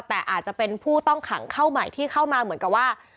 แต่อาจจะเป็นผู้ต้องขังเข้าใหม่ที่เข้ามาเหมือนกับว่า